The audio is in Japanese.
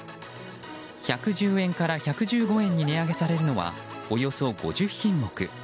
１１０円から１１５円に値上げされるのはおよそ５０品目。